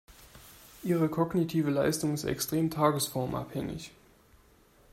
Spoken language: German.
Ihre kognitive Leistung ist extrem tagesformabhängig.